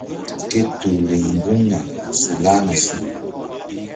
Ke tul riŋ mbuŋna su lahna su.